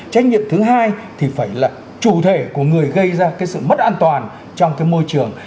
trách nhiệm thứ hai thì phải là chủ thể của người gây ra cái sự mất an toàn trong cái môi trường